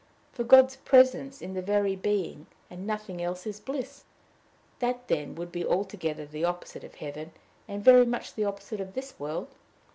For God's presence in the very being, and nothing else, is bliss. That, then, would be altogether the opposite of heaven, and very much the opposite of this world.